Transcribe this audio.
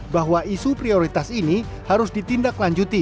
bahwa isu prioritas ini harus ditindaklanjuti